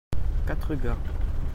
quatre gars.